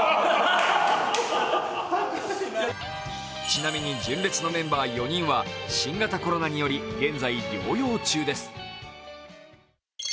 ちなみに純烈のメンバー４人は新型コロナにより現在療養中です。